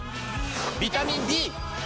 ビタミン Ｂ！